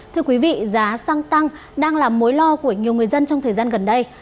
thưa quý vị giá xăng tăng đang là mối lo của nhiều người dân trong thời gian gần đây